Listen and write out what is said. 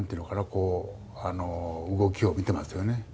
こう動きを見てますよね。